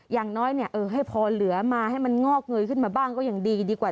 อย่างน้อยให้พอเหลือมาให้มันงอกเงยขึ้นมาบ้างก็ยังดีดีกว่า